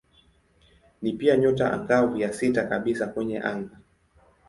Ni pia nyota angavu ya sita kabisa kwenye anga.